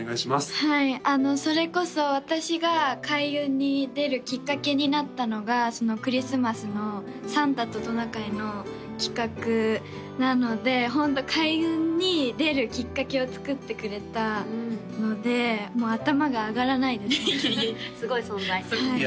はいあのそれこそ私が開運に出るきっかけになったのがそのクリスマスのサンタとトナカイの企画なのでホント開運に出るきっかけを作ってくれたのでもう頭が上がらないですいやいやいや